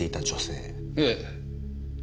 ええ。